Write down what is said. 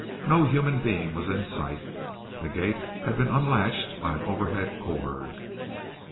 No human being was in sight; the gate had been unlatched by an overhead cord.